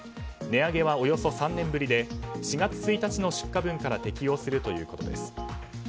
値上げはおよそ３年ぶりで４月１日の出荷分から適用するということです。